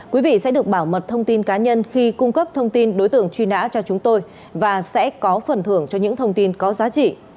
quý vị sẽ được bảo mật thông tin cá nhân khi cung cấp thông tin đối tượng truy nã cho chúng tôi và sẽ có phần thưởng cho những thông tin có giá trị